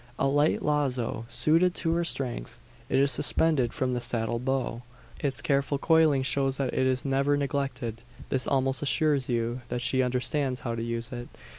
A light lazo, suited to her strength, is suspended from the saddle bow. Its careful coiling shows that it is never neglected. This almost assures you, that she understands how to use it.